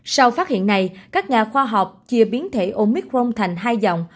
sau phát hiện này các nhà khoa học chia biến thể omicron thành hai dòng